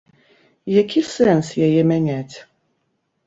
Які сэнс яе мяняць?